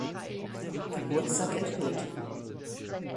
Geburtstag enthüllt.